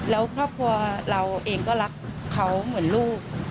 แล้วครอบครัวเราเองก็รักเขาเหมือนลูก